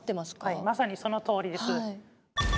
はいまさにそのとおりです。